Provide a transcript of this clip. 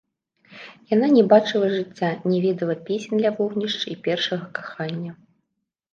Яна не бачыла жыцця, не ведала песень ля вогнішча і першага кахання.